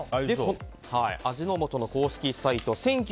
味の素の公式サイト